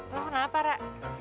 lo kenapa ra